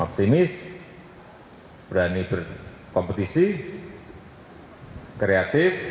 optimis berani berkompetisi kreatif